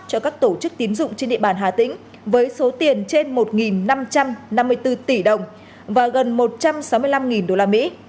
các tổ chức tiến dụng trên địa bàn hà tĩnh với số tiền trên một năm trăm năm mươi bốn tỷ đồng và gần một trăm sáu mươi năm đô la mỹ